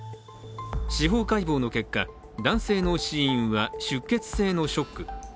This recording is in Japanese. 司法解剖の結果、男性の死因は出血性のショック。